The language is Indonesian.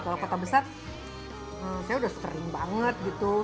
kalau kota besar saya udah sering banget gitu